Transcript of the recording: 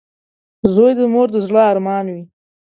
• زوی د مور د زړۀ ارمان وي.